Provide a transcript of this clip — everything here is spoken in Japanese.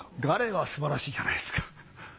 ガレはすばらしいじゃないですか。